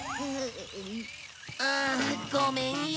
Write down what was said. ああごめんよ。